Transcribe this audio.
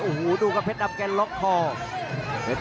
อื้อหือจังหวะขวางแล้วพยายามจะเล่นงานด้วยซอกแต่วงใน